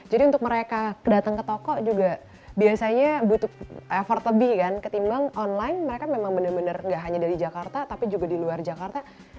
jadi untuk mereka datang ke toko juga biasanya butuh effort lebih kan ketimbang online mereka memang bener bener gak hanya dari jakarta tapi juga di luar jakarta